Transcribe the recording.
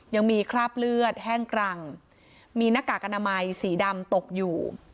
ยังมีคราบเลือดแห้งกรังมีหน้ากากอนามัยสีดำตกอยู่